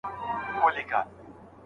د ميرمني حقوق پيژندل او ساتل محبت زياتوي.